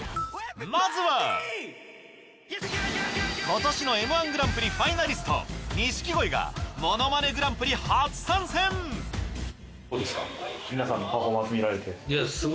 まずは今年の『Ｍ−１』グランプリファイナリスト錦鯉が『ものまねグランプリ』初参戦いや。